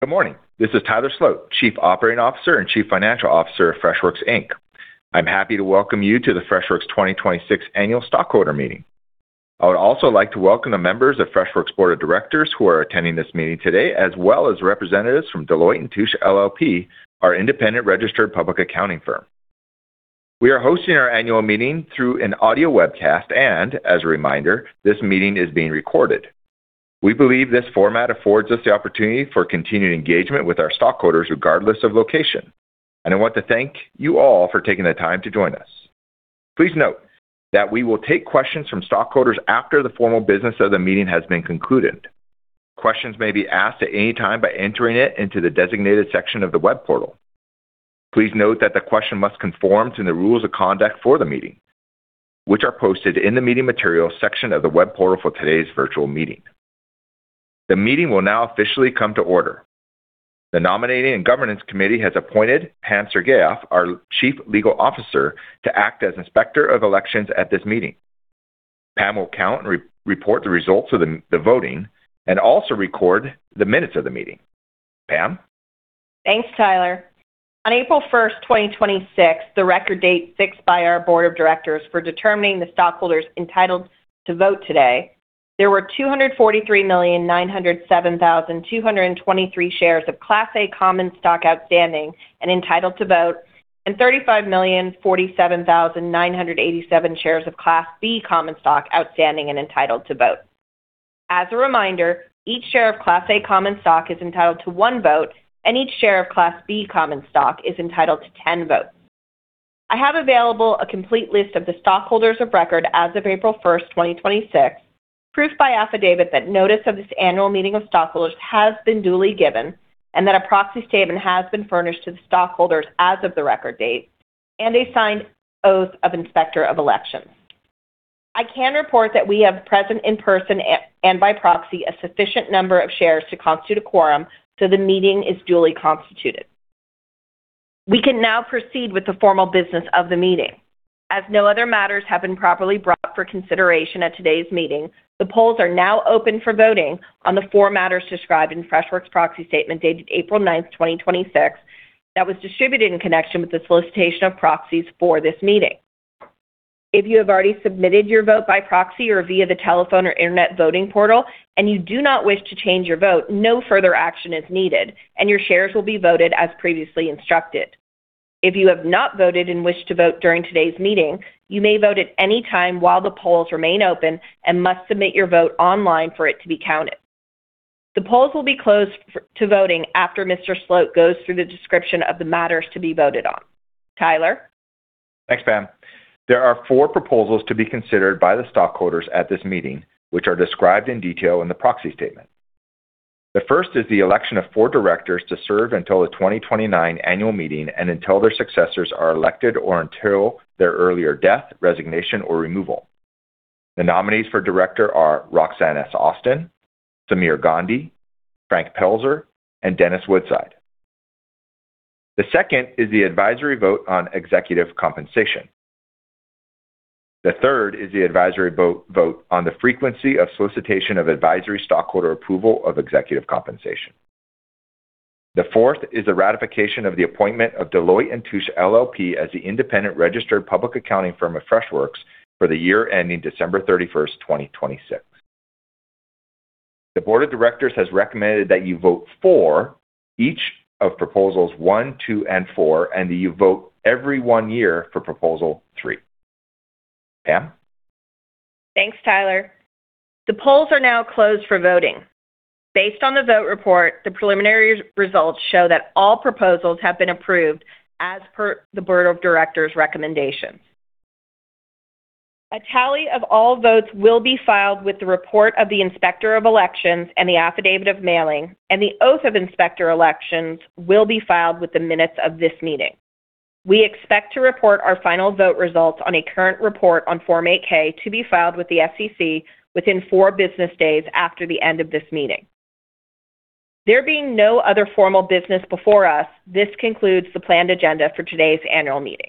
Good morning. This is Tyler Sloat, Chief Operating Officer and Chief Financial Officer of Freshworks Inc. I'm happy to welcome you to the Freshworks 2026 annual stockholder meeting. I would also like to welcome the members of Freshworks Board of Directors who are attending this meeting today, as well as representatives from Deloitte & Touche LLP, our independent registered public accounting firm. We are hosting our annual meeting through an audio webcast, and as a reminder, this meeting is being recorded. We believe this format affords us the opportunity for continued engagement with our stockholders, regardless of location, and I want to thank you all for taking the time to join us. Please note that we will take questions from stockholders after the formal business of the meeting has been concluded. Questions may be asked at any time by entering it into the designated section of the web portal. Please note that the question must conform to the rules of conduct for the meeting, which are posted in the Meeting Materials section of the web portal for today's virtual meeting. The meeting will now officially come to order. The Nominating and Governance Committee has appointed Pam Sergeeff, our Chief Legal Officer, to act as Inspector of Elections at this meeting. Pam will count and report the results of the voting and also record the minutes of the meeting. Pam? Thanks, Tyler. On April 1st, 2026, the record date fixed by our board of directors for determining the stockholders entitled to vote today, there were 243,907,223 shares of Class A common stock outstanding and entitled to vote, and 35,047,987 shares of Class B common stock outstanding and entitled to vote. As a reminder, each share of Class A common stock is entitled to one vote, and each share of Class B common stock is entitled to 10 votes. I have available a complete list of the stockholders of record as of April 1st, 2026, proof by affidavit that notice of this annual meeting of stockholders has been duly given, and that a proxy statement has been furnished to the stockholders as of the record date, and a signed oath of Inspector of Elections. I can report that we have present in person and by proxy a sufficient number of shares to constitute a quorum, so the meeting is duly constituted. We can now proceed with the formal business of the meeting. As no other matters have been properly brought for consideration at today's meeting, the polls are now open for voting on the four matters described in Freshworks proxy statement dated April 9th, 2026, that was distributed in connection with the solicitation of proxies for this meeting. If you have already submitted your vote by proxy or via the telephone or internet voting portal, and you do not wish to change your vote, no further action is needed, and your shares will be voted as previously instructed. If you have not voted and wish to vote during today's meeting, you may vote at any time while the polls remain open and must submit your vote online for it to be counted. The polls will be closed to voting after Mr. Sloat goes through the description of the matters to be voted on. Tyler? Thanks, Pam. There are four proposals to be considered by the stockholders at this meeting, which are described in detail in the proxy statement. The first is the election of four directors to serve until the 2029 annual meeting and until their successors are elected or until their earlier death, resignation, or removal. The nominees for director are Roxanne S. Austin, Sameer Gandhi, Frank Pelzer, and Dennis Woodside. The second is the advisory vote on executive compensation. The third is the advisory vote on the frequency of solicitation of advisory stockholder approval of executive compensation. The fourth is the ratification of the appointment of Deloitte & Touche LLP as the independent registered public accounting firm of Freshworks for the year ending December 31st, 2026. The board of directors has recommended that you vote for each of Proposals one, two, and four, and that you vote every one year for Proposal three. Pam? Thanks, Tyler. The polls are now closed for voting. Based on the vote report, the preliminary results show that all proposals have been approved as per the board of directors' recommendations. A tally of all votes will be filed with the report of the Inspector of Elections and the affidavit of mailing, and the oath of Inspector of Elections will be filed with the minutes of this meeting. We expect to report our final vote results on a current report on Form 8-K to be filed with the SEC within four business days after the end of this meeting. There being no other formal business before us, this concludes the planned agenda for today's annual meeting.